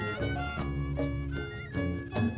terima kasih pak